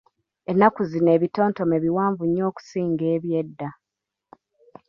Ennaku zino ebitontome biwanvu nnyo okusinga eby'edda!